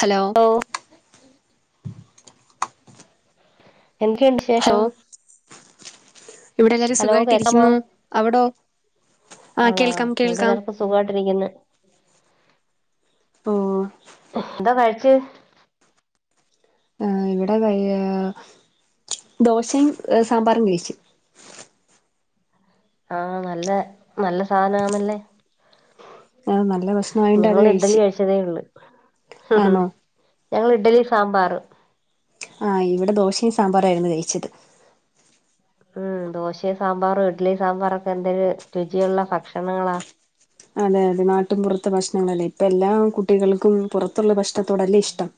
Hello എന്തെക്കെയുണ്ട് ശേഷം hello ഇവിടെ എല്ലാരും ഹലോ കേക്കമോ സുഖായിട്ടിരിക്കുന്നു അവിടോ ആ ആണോ കേൾക്കാം ഇവിടെ കേൾക്കാം ല്ലർക്കും സുഖട്ടിരിക്കുന്നു ഓ എന്താ കഴിച്ച് ഇവിടെ ദോശയും സാമ്പാറും കഴിച്ചു ആഹ നല്ല നല്ല സാധന ആണല്ലേ ആഹ നല്ല ഭക്ഷ്ണ ആയണ്ട് അത് കഴിച്ച് ള്ള ഞങ്ങള് ഇഡലി സാമ്പാർ ആഹ് ഇവിടെ ദോശയും സാമ്പാറായിയിരുന്നു കഴിച്ചത് ഉം ദോശയും സാമ്പാറും ഇഡ്ലി സാമ്പാറൊക്കെ എന്തെിരു രുചിയുള്ള ഭക്ഷണങ്ങളാ അതെ അതെ നാട്ടും പുറത്തെ ഭക്ഷണങ്ങളല്ലേ ഇപ്പ എല്ലാ കുട്ടികൾക്കും പുറത്തുള്ള ഭക്ഷണത്തോടല്ലേ ഇഷ്ടം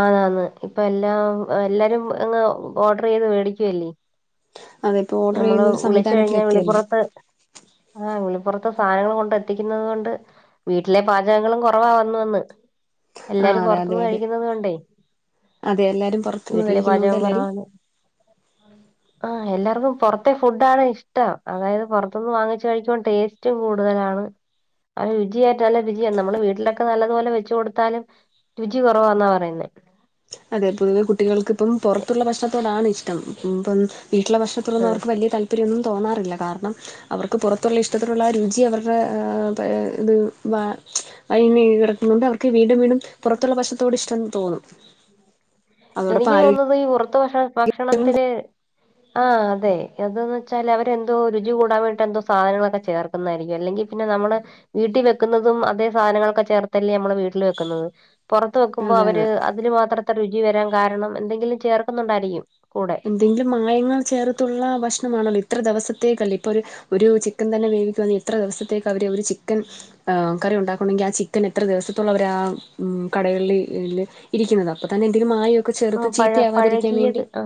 ആതന്ന് ഇപ്പ എല്ലാം എല്ലാരും അങ്ങ് ഓർഡർ ചെയ്ത് മേടിക്കുവല്ലേ അതിപ്പോ ഓർഡർ നമ്മള് ചെയ്യുന്ന ഒരു വിളിച്ച കഴിഞ്ഞാ സംവിധാനത്തിലെത്തിയല്ലേ വിളിപ്പുറത്ത് ആഹ വിളിപ്പുറത്തെ സാധനങ്ങള് കൊണ്ട് എത്തിക്കുന്നത് കൊണ്ട് വീട്ടിലെ പാചകങ്ങളും കുറവാ വന്നു വന്ന് ആ എല്ലാരും അതെ അതെ പുറത്തുന്ന് അതെ കഴിക്കുന്നത് കൊണ്ടേ അതെ എല്ലാരും പുറത്തുനിന്ന് വീട്ടിലെ കഴിക്കുന്നോണ്ട് പാചകം എല്ലാരും കുറവാണ് ആഹ എല്ലാർക്കും പുറത്തെ ഫുഡ ആാണ് ഇഷ്ടം അതായത് പുറത്ത നിന്ന് വാങ്ങിച്ചച്ച് കഴിക്കുമ്പം ടേസ്റ്റും കൂടുതലാണ് അ രുചിയായിട്ട് നല്ലരുചിയാണ് നമ്മള് വീട്ടിലൊക്കെ നല്ലതുപോലെ വെച്ച കൊടുത്താലും രുചി കുറവാന്നാ പറയുന്നേ അതെ പൊതുവെ കുട്ടികൾക്ക് ഇപ്പം പുറത്തുള്ള ഭക്ഷണത്തോടാണ് ഇഷ്ടം ഇപ്പം വീട്ടില ആ ഭക്ഷണത്തൊന്നും അവർക്ക് വലിയ താല്പര്യൊന്നും തോന്നാറില്ല കാരണം അവർക്ക് പുറത്തുള്ള ഇഷ്ടത്തിലുള്ള ആ രുചി അവരുടെ ഇത് വ [unintelligible] അവർക്ക് വീണ്ടും വീണ്ടും പുറത്തുള്ള ഭക്ഷണത്തോട് ഇഷ്ട തോന്നും അതോടൊപ്പം എനിക്ക് ആരോഗ്യ തോന്നുന്നത് ഈ പുറത്ത ഭക്ഷ ഭക്ഷണത്തില് ആ അതെ അതന്ന് വെച്ചാൽ അവരെന്തോ രുചി കൂടാൻ വേണ്ടട്ട് എന്തോ സാധനങ്ങളൊക്കെ ചേർക്കുന്നതായിരിക്കും അല്ലെങ്കിൽ പിന്നെ നമ്മള് വീട്ടിൽ വെക്കുന്നതും അതേ സാധനങ്ങളൊക്കെ ചേർത്തല്ലേ നമ്മെ വീട്ടിൽ വെക്കുന്നത് പൊറത്ത് വെക്കുമ്പോ അതെ അവര് അതെ അതിന് മാത്രത്തെ രുചി വരാൻ കാരണം എന്തെങ്കിലും ചേർക്കുന്നുണ്ടായിരിക്കും കൂടെ എന്തെങ്കിലും മായങ്ങൾ ചേർത്തുള്ള ഭക്ഷണമാണല്ലോ ഇത്ര ദിവസത്തേക്കല്ലേ ഇപ്പോരു ഒരു ചിക്കൻ തന്നെ വേവിക്കന്ന എത്ര ദിവസത്തേക്ക് അവര് ഒരു ചിക്കൻ കറി ഉണ്ടാക്കണങ്കിൽ ആ ചിക്കൻ എത്ര ദിവസത്തോളംവർ ആ കടകളിൽ ഇരിക്കുന്നത് അപ്പൊ തന്നെ എന്തേങ്കും മായക്കെ ആ പഴ പഴകിയത് ആ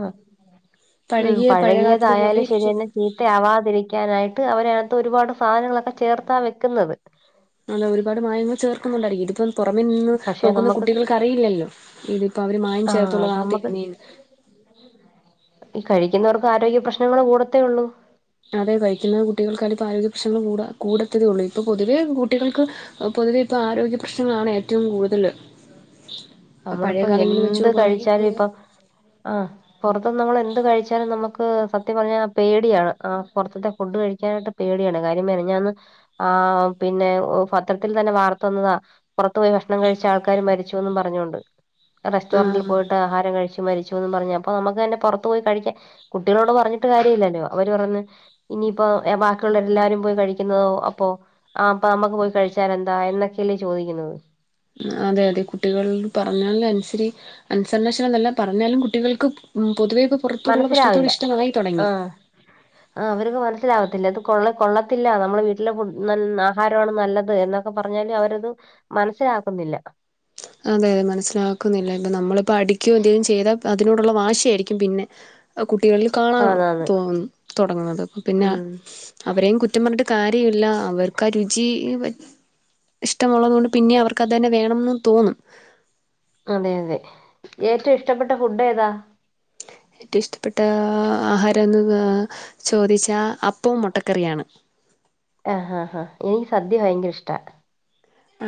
ഉം പഴകിയ പഴകാത്തതുപോലെ പഴകിയതായാലും ഇരിക്കും ശരിയന്നെ ത്തെ ആവാതിരിക്കാനായിട്ട് അവരെ കത്ത് ഒരുപാട് സാധനങ്ങളൊക്കെ ചേർത്താ വെക്കുന്നത്. അല്ല ഒരുപാട് മായങ്ങൾ ചേർക്കുന്നുണ്ടരിക്ക ഇത് പോലെ പുറത്ത് അമ്മൻ നിന്ന് പക്ഷെ നോക്കുന്ന നമുക്ക് കുട്ടികൾക്ക്റിയില്ലല്ലോ ഇതിപ്പോ അവര് മായം ആഹ് ചേർത്തുള്ളത് ആണ് നമുക്ക് തേരുന്നെന്ന് ഈ കഴിക്കുന്നവർക്ക് ആരോഗ്യ പ്രശ്നങ്ങൾ കൂടത്തേ ഉള്ളൂ. അതെ കഴിക്കുന്ന കുട്ടികൾക്കാല ഇപ്പോ ആരോഗ്യ പ്രശ്നങ്ങൾ കൂ കൂടത്തതേ ഉള്ളൂ ഇപ്പൊ പൊതുവേ കുട്ടികൾക്ക്. പൊതുവെ ഇപ്പോ ആരോഗ്യ പ്രശ്നങ്ങളാണ് ഏറ്റവും കൂടുതൽ പഴയ നമ്മളിപ്പോ കാലങ്ങളിൽ വെച്ച് എന്ത് കഴിച്ചാലും നോക്കുകയാണെങ്കിൽ ഇപ്പൊ ആഹ് പുറത്ത്ന്ന് നമ്മൾ എന്ത് കഴിച്ചാലും നമുക്ക് സത്യം പറഞ്ഞാൽ പേടിയാണ് ആ പുറത്തത്തെ ഫുഡ് കഴിക്കാനായിട്ട് പേടിയാണ് കാര്യം മിനിഞ്ഞാന്ന്. ആ പിന്നെ പത്രത്തിൽ തന്നെ വാർത്ത വന്നതാ പൊറത്തു പോയി ഭക്ഷണം കഴിച്ച ആൾക്ക് മരിച്ചുന്ന് പറഞ്ഞോണ്ട് റെസ്റ്റോറന്റി ആഹ് പോയിട്ട് ആഹാരം കഴിച്ചു മരിച്ചു പറഞ്ഞപ്പോ നമുക്ക് തന്നെ പുറത്ത് പോയി കഴിക്കൻ. കുട്ടികളോട് പറഞ്ഞിട്ട് കാര്യം ഇല്ലല്ലോ അവര് പറഞ്ഞ് ഇനിയിപ്പോ ബാക്കിയുള്ളരെ എല്ലാരും പോയി കഴിക്കുന്നതോ അപ്പൊ ആ അപ്പ നമ്മക്ക് പോയി കഴിച്ചാൽന്താ എന്നൊക്കെയല്ലേ ചോദിക്കുന്നത് അതെ അതെ കുട്ടികൾ പറഞ്ഞാൽ അനുസരി അൻസരനശനം എന്നല്ല പറഞ്ഞാലും കുട്ടികൾക്ക് പൊതുവെയുപ്പ് പുറത്തുള്ള ഭക്ഷണത്തോട് മനസ്സിലാവില്ല ഇഷ്ടായി തുടങ്ങി. [inaudible] ആഹ് അവർക്ക് മനസ്സിലാവകത്തില്ല അത് കൊള്ള കൊള്ളത്തില്ല നമ്മൾ വീട്ടിലെ ആഹാരമാണ് നല്ലത് എന്ന ക്കെ പറഞ്ഞാല് അവരത് മനസ്സിലാക്കുന്നില്ല അതെ മനസ്സിലാക്കുന്നില്ല ഇപ്പം നമ്മളിപ്പോൾ അടിക്കൊ എന്തെങ്കിലും ചെയ്താൽ അതിനോടുള്ള വാശി ആയിരിക്കും പിന്നെ അത് കുട്ടികളിൽ കാണാം ആന്നാന്ന് തോന്നുന്നു തുടങ്ങുന്നത് അപ്പോ പിന്നെ ഉം അവരെയും കുറ്റം പറഞ്ഞിട്ട് കാര്യല്ല അവർക്ക് ആ രുചി. ഇഷ്ടമുള്ളതുകൊണ്ട് പിന്നെ അവർക്ക് അത് തന്നെ വേണന്ന് തോന്നും അതെ അതെ ഏറ്റവും ഇഷ്ടപ്പെട്ട ഫുഡ് ഏതാ ഏറ്റവും ഇഷ്ടപ്പെട്ട ആഹാരമെന്ന് ചോദിച്ചാൽ അപ്പവും മുട്ടക്കറിയാണ്. ആഹ് ആ ഹാ എനിക്ക് സദ്യ ഭയങ്കര ഇഷ്ട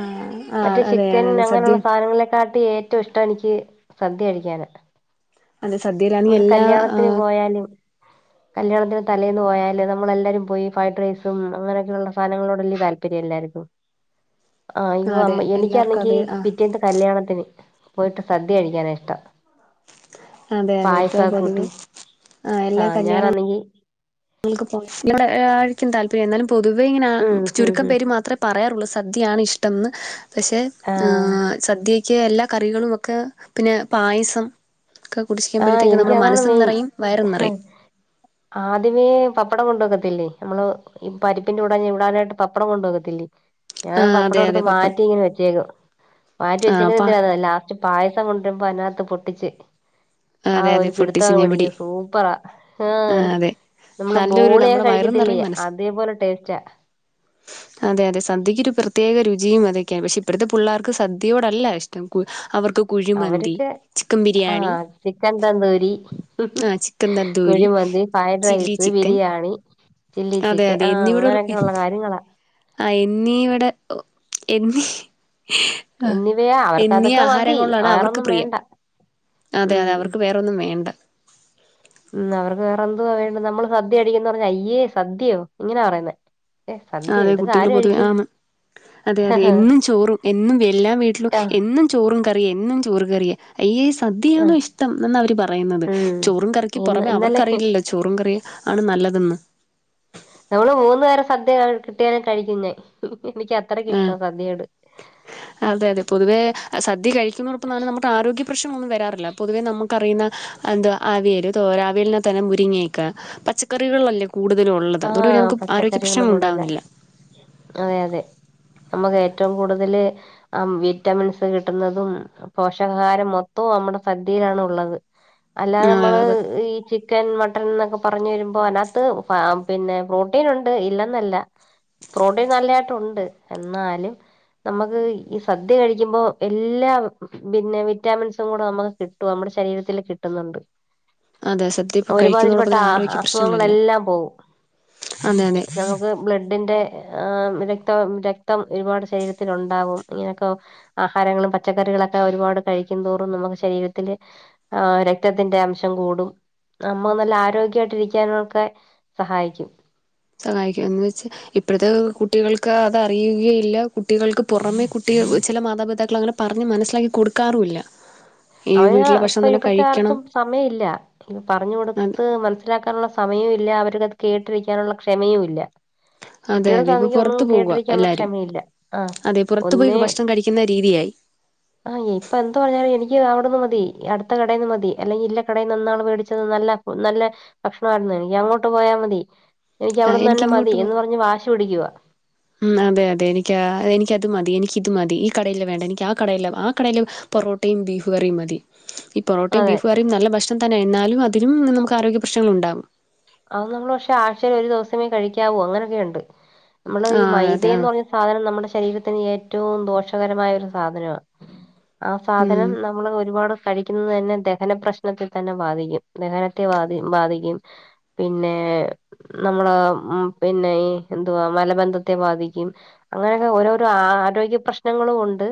ആഹ് മറ്റേ ചിക്കൻ അങ്ങനെയുള്ള സാധനങ്ങളെക്കാ ആട്ടിലും ഏറ്റവും ഇഷ്ടം എനിക്ക് സദ്യ കഴിക്കാനാ അല്ലെ സദ്യലാ കൂടെ കല്യാണത്തിന് പോയാലും. കല്യാണത്തിന് തലേന്ന് പോയാല് നമ്മളെല്ലാവാരും പോയി ഫ്രൈഡ് റൈസും അങ്ങനെയൊക്കെയുള്ള സാധനങ്ങളോട് വലിയ താല്പര്യംല്ലാക്കും. ആഹ് അയോ അതെ അമ്മേ എല്ലാവർക്കും എനിക്കാണെങ്കി അത് ആ പിറ്റേ കല്യാണത്തിന് പോയിട്ട് സദ്യ കഴിക്കാന ഇഷ്ടം. അതെ അതെ ഇപ്പ പായസൊക്കെ പതിവ് കൂട്ടി ആ എല്ലാ ആഹ് കല്യാണങ്ങള് ഞാനാന്നെങ്കി ക്ക് ആഴക്കും താല്പര്യം എന്നാലും പൊതുവെ ഇങ്ങനെ ഉം ഉം ചുരുക്കം ഉം പേര് മാത്രം പറയാറുള്ളു സദ്യയാണ് ഇഷ്ടംന്ന് പക്ഷേ ആഹ് സദ്യ എനിക്ക് എല്ലാ കറികളും ഒക്കെ പിന്നെ പായസം ഒക്കെ ആഹ് കുടിച്ചിക്കുമ്പോഴത്തേക്ക് നമ്മുടെ എനിക്കതാണ് മനസും മെയിൻ നിറയും വയറും നിറയും ആദ്യമേ പപ്പടം കൊണ്ടുവക്കത്തില്ലേ നമ്മള് ഈ പരിപ്പിന്റെ കൂടെ ചുടാനായിട്ട് പപ്പടം കൊണ്ട് വെക്കത്തില്ലെ? ഞാൻ ആ പപ്പടം അതെ എടുത്ത് അതെ പപ്പടം മാറ്റിയിങ്ങനെ വെച്ചേക്കും മാറ്റി ആ അപ്പാ വെച്ചേക്ക്ന്നെന്തിനന്നാറിയൊ ലാസ്റ്റ് പായസം കൊണ്ടൊരുമ്പോ അതിനകത്ത് പൊട്ടിച്ച് അതെ ആഹ് അതെ ഒരു പൊട്ടിച്ച് പിടുത്തങ്ങ് ഞാൻ പിടി പിടിക്കും സൂപ്പറാ ആഹാ ആ അതെ നമ്മള് നല്ലൊരു ബോളിയൊക്കെ നമ്മുടെ വയറും കഴിക്കത്തില്ലെ? നിറയും മനസ്സും അതെപോലെ ടേസ്റ്റാ അതെ അതെ സദ്യക്കൊരു പ്രത്യേക രുചിയും അതൊക്കെയാ പക്ഷെ ഇപ്പൊഴത്തെ പുള്ളാർക്ക് സദ്യയോടല്ല ഇഷ്ടം കു അവർക്ക് കുഴിമന്തി, അവരൊക്കെ ചിക്കം ബിരിയാണി ആഹ് ചിക്കൻ തന്തൂരി, ആഹ് chicken tandoori kuzhimanthi, fried chilli rice, chicken biryani chilli അതെ ചിക്കൻ ആഹാ അങ്ങനെയൊക്കെള്ള കാര്യങ്ങളാ അയിന്നീ ഇവടെ എന്നീ ആഹാ എന്നിവയാ അവർക്ക് എന്നീ അതൊക്കെ മതി ആഹാരങ്ങൊളിലാണ് അവർക്ക് വേറൊന്നും പ്രിയം വേണ്ട അതെ അതെ ഉം അവർക്ക് വേറൊന്നും വേണ്ട ഉം അവർക്ക് വേറെ എന്തുവാ വേണ്ട്ന്നെ നമ്മള് സദ്യ കഴിക്കുന്നറിഞാ അയ്യേ സദ്യയോ? ഇങ്ങനാ പറയുന്നെ ഏഹ് ആഹാ സദ്യയോ അതെ ഇതൊക്കെ കുട്ടികള് ആര് പൊതുവെ കഴിക്കും ആന്ന് അതെ അതെ എന്നും ചോറും എന്നും എല്ലാം വീട്ടിലും ആഹ് എന്നും ചോറും കറിയും എന്നും ചോറ് കറിയാ അയ്യേ ആഹ് സദ്യയാണോ ഇഷ്ടം എന്നാ അവര് പറയുന്നത് ഉം ചോറും കറക്കി ഇന്ന് പൊറമെ ഇന്നലെ അവർക്കറിയില്ലല്ലോ ചോറും കറിയും ആണ് നല്ലതെന്ന് നമ്മള് മൂന്ന് നേരം സദ്യ കിട്ടിയാലും കഴിക്കും ഞാൻ എനിക്ക് അത്രക്ക് ആഹ് ഇഷ്ടവാ സദ്യയോട് [inaudible] അതെ അതെ പൊതുവേ സദ്യ കഴിക്കുന്നോടൊപ്പംതന്നെ നമ്മുക്ക് ആരോഗ്യ പ്രശ്നങ്ങളൊന്നും വരാറില്ല പൊതുവെ നമുക്കറിയുന്ന എന്തൊ അവിയല്, തോരാൻ, അവിയലിനകത്ത് തന്നെ മുരിങ്ങയിക്ക പച്ചക്കറികളല്ലെ കൂ ടുതലുവൊള്ളത് അത്കൊണ്ട് ആഹ് നമുക്ക് ആരോഗ്യ പച്ചക്കറികള് പ്രശ്നങ്ങള് കൂടല്ല ഉണ്ടാവുന്നില്ല അതെ അതെ നമ്മക്ക് ഏറ്റവും കൂടുതല് ആ വിറ്റാമിൻസ് കിട്ടുന്നതും പോഷകാഹാരം മൊത്തവും നമ്മടെ സദ്യയിലാണ് ഉള്ളത് അല്ലാതെ അതെ നമ്മള് അതെ ഈ ചിക്കൻ, മട്ടൻ എന്നൊക്കെ പറഞ്ഞു വരുമ്പോ അതിനാത്ത് ഫാ പിന്നെ പ്രോട്ടീനുണ്ട് ഇല്ലെന്നല്ല പ്രോട്ടീൻ നല്ലായിട്ടുണ്ട് എന്നാലും നമ്മക്ക് ഈ സദ്യ കഴിക്കുമ്പോ എല്ലാം പിന്നെ വിറ്റാമിൻസും കൂടെ നമുക്ക് കിട്ടും നമ്മുടെ ശരീരത്തില് കിട്ടുന്നുണ്ട് അതെ സദ്യ ഇപ്പോൾ കഴിക്കുന്നതോടൊപ്പം ഒരുമാതിരിപ്പെട്ട തന്നെ ആ ആരോഗ്യ പ്രശ്നങ്ങളില്ല അസുഖങ്ങളെല്ലാം പോവും. അതെ അതെ നമുക്ക് ബ്ലെഡിന്റെ ആ രക്തം രക്തം ഒരുപാട് ശരീരത്തിലുണ്ടാവും ഇങ്ങനെയൊക്കെ ആഹാരങ്ങളും പച്ചക്കറികളൊക്കെ ഒരുപാട് കഴിക്കുംതോറും നമുക്ക് ശരീരത്തില് ആ രക്തത്തിന്റെ അംശം കൂടും നമ്മള് നല്ല ആരോഗ്യവായിട്ട് ഇരിക്കാനൊക്കെ സഹായിക്കും സഹായിക്കുക എന്ന് വെച്ചാ ഇപ്പഴത്തെ കുട്ടികൾക്ക് അത് അറിയുകയില്ല കുട്ടികൾക്ക് പൊറമെ കുട്ടിയെ ചില മാതാപിതാക്കളങ്ങനെ പറഞ്ഞ് മനസ്സിലാക്കി കൊടുക്കാറുവില്ല അതിന് ഇപ്പൊ ഇവിടുത്തെയാർക്കും സമയവില്ല പറഞ്ഞു അതെ കൊടുത്ത് മന സ്സിലാക്കാനുള്ള സമയവും ഇല്ല അവർക്ക്ത് കേട്ടിരിക്കാനുള്ള ക്ഷമയും ഇല്ല അതെ അതെ ഇപ്പൊ കുട്ടികൾക്കാണെങ്കി പുറത്ത് ഒന്നുംവൊന്നും പോവുക കേട്ടിരിക്കാനുള്ള എല്ലാരും ക്ഷമയില്ല ആ അതെ പുറത്തു പോയി ഒന്നെ ഭക്ഷണം കഴിക്കുന്ന രീതിയായി ആഹ് ഇപ്പെന്ത് പറഞ്ഞാലും എനിക്ക് എനിക്ക് അവിടെന്ന് മതി അടുത്ത കടേന്ന് മതി അല്ലെങ്കി ഇല്ല കടേന്ന് എന്താണ് മേടിച്ചത് നല്ല നല്ല ഭക്ഷണവായിരുന്നു എനിക്കങ്ങോട്ട് പോയാ മതി എനിക്ക് ആ അവിടന്ന് തന്നെ മതി എനിക്കിങ്ങോട്ട് എന്ന് പറഞ്ഞ് വാശി പിടിക്കുവാ മ് അതെ അതെ എനിക്ക് എനിക്കത് മതി എനിക്കിത് മതി ഈ കടയിലെ വേണ്ട എനിക്ക് ആ കടയിലെ ആ കടയില് പൊറോട്ടയും ബീഫ്കറിയും മതി ഈ പൊറോട്ടയും അതെ ബീഫ് കറിയും നല്ല ഭക്ഷണം തന്നെണ് എന്നാലും അതിനും നമുക്ക് ആരോഗ്യ പ്രശ്നങ്ങള്ണ്ടാവും അത് നമ്മള് പക്ഷെ ആഴ്ച്ചേല് ഒരു ദിവസമേ കഴിക്കാവൂ അങ്ങനെയൊക്കെയുണ്ട് നമ്മള് ആ ഈ അതെ അതെ ആ മൈദേന്ന് പറഞ്ഞ സാധ നം നമ്മുടെ ശരീരത്തിന് ഏറ്റവും ദോഷകരമായ ഒരു സാധനവാ ആ സാധനം ഉം നമ്മള് ഒരുപാട് കഴിക്കുന്നത് തന്നെ ദഹന പ്രശ്നത്തെ തന്നെ ബാധിക്കും ദഹനത്തെ ബാധ ബാധിക്കും പിന്നെ നമ്മള ഉം പിന്നെ ഈ എന്തുവാ മലബന്ധത്തെ ബാധിക്കും അങ്ങനെയൊക്കെ ഓരോരോ ആരോഗ്യ പ്രശ്നങ്ങളും ഉണ്ട്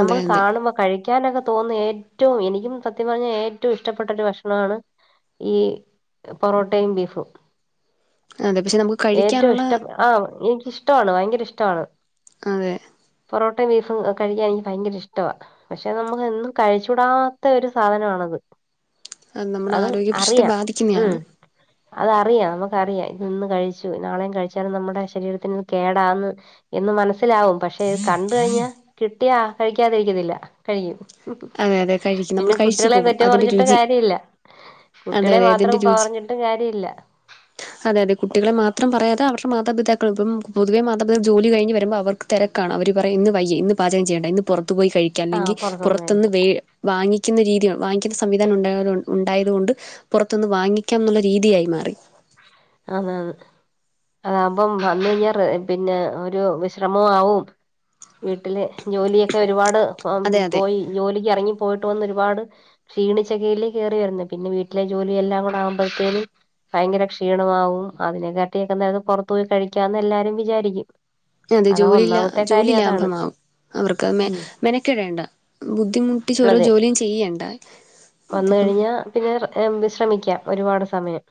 അതെ അതെ കാണുമ്പോ കഴിക്കാ കഴിക്കാനൊക്കെ തോന്നുന്ന ഏറ്റവും എനിക്കും സത്യം പറഞ്ഞാൽ ഏറ്റവും ഇഷ്ടപ്പെട്ട ഒരു ഭക്ഷണമാണ് ഈ പൊറോട്ടയും ബീഫും അതെ പക്ഷെ നമുക്ക് ഏറ്റവും കഴിക്കാനുള്ള ഇഷ്ടപ്പെ ആഹ് എനിക്ക് ഇഷ്ടമാണ് ഭയങ്കര ഇഷ്ടമാണ് അതെ പൊറോട്ടയും ബീഫും കഴിക്കാൻ എനിക്ക് ഭയങ്കര ഇഷ്ടവാ പക്ഷെ നമുക്ക് എന്നും കഴിച്ചൂടാത്ത ഒരു സാധനമാണത് നമ്മുടെ അത് ആരോഗ്യ പ്രശ്നത്തെ അറിയാം ഉം ബാധിക്കുന്നതാണ് അതറിയാം നമുക്കറിയാം ഇന്ന് കഴിച്ചു നാളെയും കഴിച്ചാലും നമ്മുടെ ശരീരത്തിന് ഇത് കേടാന്ന് എന്ന് മനസ്സിലാവും പക്ഷെ അത് കണ്ട കഴിഞ്ഞാ കിട്ടിയാ കഴിക്കാതിരിക്കത്തില്ല കഴിക്കും അതെ അതെ കഴിക്കും നമ്മൾ പിന്നെ കഴിച്ചു കുട്ടികളെ പോകും തെറ്റ് അതിൻ്റെ പറഞ്ഞിട്ട് രുചി കാര്യമില്ല അതെ കുട്ടികളെ അതെ മാത്രം അതിൻ്റെ രുചി പറഞ്ഞിട്ടും കാര്യ ഇല്ല അതെ അതെ കുട്ടികെ മാത്രം പറയാതെ അവരുടെ മാതാിതാക്കൾ ഇപ്പം പൊതുവേ മാതാപിതാക്കൾ ജോലി കഴിഞ്ഞു വരുമ്പോ അവർ തിരക്കാണ് അവർ പറയും ഇന്ന്യ്യ ഇന്ന് പാചകം ചെയ്യണ്ട ഇന്ന് പുറത്ത് പോയി കഴിക്കാം ആഹ് അല്ലെങ്കിൽ പുറത്തുന്ന് പുറത്ത് കഴിക്കാം വാങ്ങിക്കുന്ന രീതി വാങ്ങിക്കുന്ന സംവിധാനം ഉണ്ടായ ഉണ്ടായതു കൊണ്ട് പുറത്തൊന്ന് വാങ്ങിക്കാം എന്നുള്ള രീതിയായി മാറി ആന്നാന്ന് അതാകുമ്പം വന്ന് കഴിഞ്ഞാ പിന്നെ ഒരു വിശ്രമോ ആവും വീട്ടില് ജോലിയൊക്കെ ഒരുപാട് അതെ അതെ പോയി ജോലിക്ക് ഇറങ്ങി പോയിട്ട് വന്ന് ഒരുപാട് ക്ഷീണിച്ചകയിലേ കയറി വരുന്നെ പിന്നെ വീട്ടിലെ ജോലി എല്ലാം കൂടെ ആകുമ്പഴത്തേനും ഭയങ്കരക്ഷീ ക്ഷീണമാവും അതിനെക്കാട്ടിയക്കെന്തായ പുറത്തു പോയി കഴിക്കാംന്ന് എല്ലാരും വിചാരിക്കും അതത് അതാ ജോലിലാ ഒന്നാമത്തെ ജോലി കാര്യം അതാണ് ലാഭമാവും അവർക്ക് മേ ഉം മെനക്കെടേണ്ട ബുദ്ധിമുട്ടിച്ച് ഓരോ അതെ ജോലിയും ചെയ്യേണ്ട വന്ന് ഇതിപ്പം കഴിഞ്ഞാ പിന്നെ വിശ്രമിക്കാം ഒരുപാട് സമയം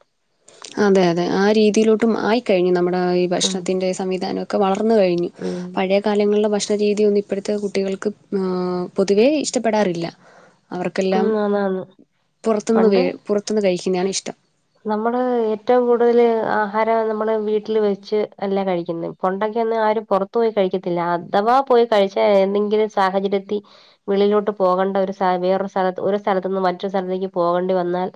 അതെ അതെ ആ രീതിയിലോട്ടും ആയിക്കഴിഞ്ഞു നമ്മുടെ ഈ ഉം ഭക്ഷണത്തിൻ്റെ സംവിധാനമൊക്കെ വളർന്നു കഴിഞ്ഞു ഉം പഴയ കാലങ്ങളില ഭക്ഷണ രീതിയൊന്നും ഇപ്പോഴത്തെ കുട്ടികൾക്ക് പൊതുവേ ഇഷ്ടപ്പെടാറില്ല അവർക്കെല്ലാം ഉം ആന്നാന്ന് പുറത്തുന്ന് വ പണ്ട് പുറത്തുന്ന് കഴിക്കുന്നതാണ് ഇഷ്ടം നമ്മള് ഏറ്റവും കൂടുതൽ ആഹാരം നമ്മള് വീട്ടിൽ വെച്ച് അല്ലേ കഴിക്കുന്നത് കൊണ്ടൊക്കെന്നും ആര് പുറത്തു പോയി കഴിക്കത്തില്ല അഥവാ പോയി കഴിച്ചാ ഏന്തെങ്കിലും സാഹചര്യത്തി വിളിലോട്ട് പോകേണ്ട ഒരു വേറൊരു സ്ഥലത്ത് ഒരു സ്ഥലത്ത് നിന്നും മറ്റൊരു സ്ഥലത്തേക്ക് പോകേണ്ടി വന്നാൽ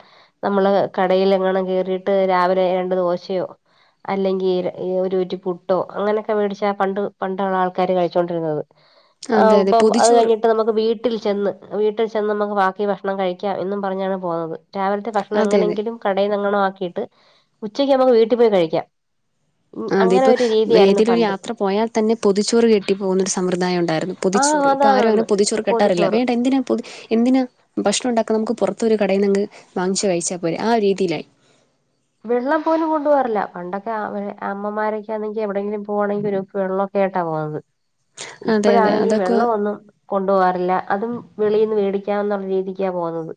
നമ്മള് കടേൽ എങ്ങാണം ക കേറിട്ട് രാവിലെ രണ്ടു ദോശയോ അല്ലെങ്കിൽ ഒരു കുറ്റി പുട്ടോ അങ്ങനെയൊക്കെ മേടിച്ച ആ പണ്ട് പണ്ടുള്ള ആൾക്കാര് കഴിച്ചോണ്ടിരുന്നത് ആഹ് അതെ അതെ ഇപ്പൊ അത് പൊതിച്ചോറ് കഴിഞ്ഞിട്ട് നമുക്ക് വീട്ടിൽ ചെന്ന് വീട്ടിൽ ചെന്ന് നമുക്ക് ബാക്കി ഭക്ഷണം കഴിക്കാം എന്നും പറഞ്ഞാണ് പോകുന്നത് രാവിലത്തെ ഭ ഭക്ഷണം അതെ അതെ എങ്ങനെങ്കിലും കടയിനെങ്ങാണോ ആക്കിയിട്ട് ഉച്ചക്ക് നമ്മുക്ക് വീട്ടിൽ പോയി കഴിക്കാം ഉം ആ അതെ അങ്ങനെ ഇപ്പ ഒരു രീതിയായിരുന്നു ഏതിലൊരു പണ്ട് യാത്ര പോയാൽ തന്നെ പൊതിച്ചോറ് കെട്ടി പോകുന്നൊരു സമ്പ്രദായം ഉണ്ടായിരുന്നു ആഹ് പൊതിച്ചോറ് ഇപ്പൊ ആരും അതാണന്ന് അങ്ങനെ പൊതിചോർ കെട്ടാറില്ല പൊതിച്ചോറ് വേണ്ട എന്തിനാ എന്തിനാ ഭക്ഷണം ഉണ്ടാക്കൻ നമുക്ക് പുറത്തൊരു കടയിൽ നിന്നങ് വാങ്ങിച്ച് കഴിച്ചാൽ പോരെ ആ രീതിയിലായി വെള്ളം പോലും കൊണ്ടു പോകാറില്ല പണ്ടൊക്കെ അവ അമ്മമാരൊക്കാണെങ്കിൽ എവിടെങ്കിലും പോവാണെങ്കിൽ ഒരു വെള്ളംെ കുപ്പിയേട്ടാ പോവുന്നത് അതെ അതെ ഇപ്പഴാണെങ്കി അതൊക്കെ വെള്ളമൊന്നും കൊണ്ടു പോകാറില്ല അതും വെളിൽനിന്ന് മേടിക്കാമേന്നുള്ള രീതിക്കാ പോകുന്നത്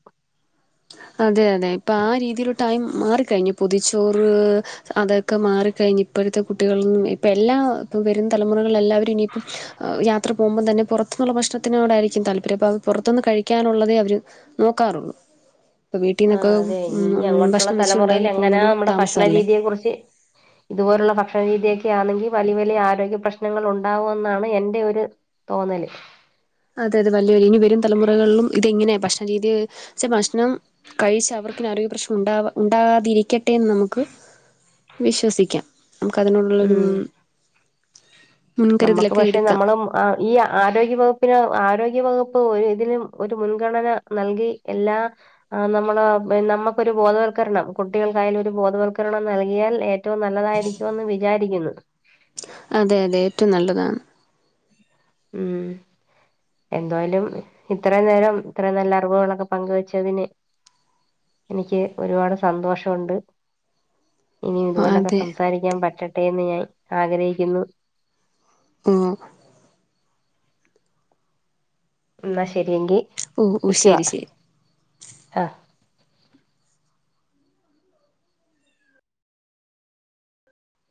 അതെ അതെ ഇപ്പം ആ രീതിയിലോട്ടായി മാറിക്കഴിഞ്ഞു പൊതിച്ചോറ് അതൊക്കെ മാറിക്കഴിഞ്ഞ് ഇപ്പോഴത്തെ കുട്ടികള നിന്നും ഇപ്പ എല്ലാ ഇപ്പ വരും തലമുറകളിൽ എല്ലാവരും ഇനി യാത്ര പോകുമ്പോൾ തന്നെ പുറത്തനിന്നുള്ള ഭക്ഷണത്തിനോടായിരിക്കും താല്പര്യം അപ്പൊ അത് പുറത്തുനിന്ന് കഴിക്കാനുള്ളതേ അവര് നോക്കാറുള്ളൂ ഇപ്പം വീട്ടിൽ ആ നിന്നൊക്കെ അതെ ഇനി അങ്ങോട്ടുള്ള ഭക്ഷണം വെച്ച് തലമുറേൽ ഉണ്ടാക്കി എങ്ങനാ പോകുന്നതും നമ്മുടെ ഭക്ഷണ താമസമല്ലേ രീതിയെ കുറിച്ച് ഇതുപോലുള്ള ഭക്ഷണ രീതിയൊക്കെ ആണെങ്കിൽ വലിയ വലിയ ആരോഗ്യ പ്രശ്നങ്ങൾ ഉണ്ടാവും എന്നാണ് എൻറെ ഒരു തോന്നല് അതെ അതെ വല്ല ഇനി വെരും തലമൊറകള്ലും ഇതെങ്ങനെ ഭക്ഷണ രീതിയ പക്ഷെ ഭക്ഷണം കഴിച്ച് അവർക്കിനി ആരോഗ്യ പ്രശ്നം ഉണ്ടാ ഉണ്ടാകാതിരിക്കട്ടെന്ന് നമുക്ക് വിശ്വസിക്കാം നമുക്ക് അതിനുള്ളരും നമ്മക്ക് പക്ഷെ എടുക്കാം നമ്മളം ആഹ് ഈ ആരോഗ്യവകുപ്പിന് ആരോഗ്യവകുപ്പ് ഒരു ഇതിലും ഒരു മുൻഗണന നൽകി എല്ലാ ആ നമ്മള് നമ്മക്കൊരു ബോധവൽക്കരണം കുട്ടികൾക്കായാലു ഒരു ബോധവൽക്കരണം നൽകിയാൽ ഏറ്റവും നല്ലതായിരിക്കും ഒന്നു വിചാരിക്കുന്ന് അതെ അതെ ഏറ്റവും നല്ലതാണ് ഉം എന്തായാലും ഇത്രയും നേരം ഇത്ര നല്ല അറിവുകളൊക്കെ പങ്കുവെച്ചതിന് എനിക്ക് ഒരുപാട് സന്തോഷോണ്ട് ഇനിയും ഇതുപോലൊക്കെ അതെ സംസാരിക്കാൻ പറ്റട്ടെ എന്ന് ഞാൻ ആഗ്രഹിക്കുന്നു ഉം ഇന്നാ ശരിയങ്കി ഓ ഓ ന്നിക്ക്യോ ശരി ശരി ആഹ്